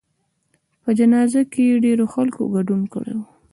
په جنازه کې یې ډېرو خلکو ګډون کړی و.